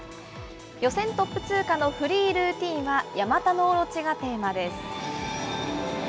予選トップ通過のフリールーティンは八岐大蛇がテーマです。